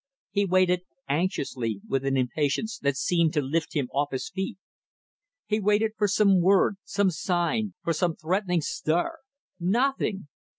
He waited anxiously with an impatience that seemed to lift him off his feet. He waited for some word, some sign; for some threatening stir. Nothing!